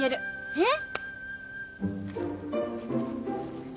えっ？